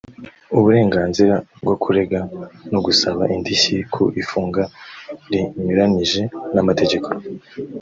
uburenganzira bwo kurega no gusaba indishyi ku ifunga rinyuranyije n’amategeko